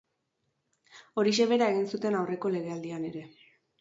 Horixe bera egin zuten aurreko legealdian ere.